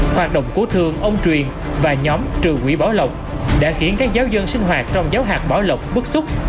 hoạt động của thương ông truyền và nhóm trừ quỷ bỏ lộc đã khiến các giáo dân sinh hoạt trong giáo hạc bỏ lộc bức xúc